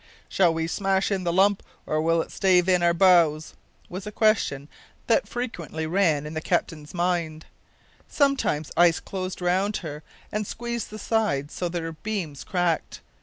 "Shall we smash the lump, or will it stave in our bows?" was a question that frequently ran in the captain's mind. Sometimes ice closed round her and squeezed the sides so that her beams cracked.